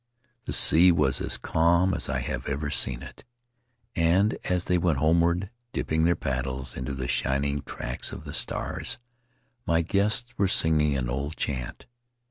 The sea was as calm as I have ever seen it, and as they went homeward, dipping their paddles into the shining tracks of the stars, my guests were singing an old chant.